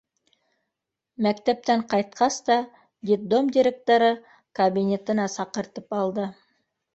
Мәктәптән ҡайтҡас та детдом директоры кабинетына саҡыртып алды.